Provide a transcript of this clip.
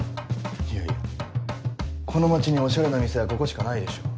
いやいやこの街におしゃれな店はここしかないでしょ。